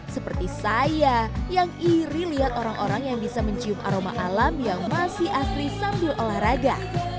seperti saya yang iri lihat orang orang yang bisa mencium aroma alam yang masih asri sambil olahraga